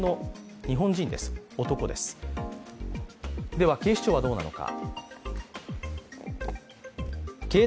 では、警視庁はどうなのか。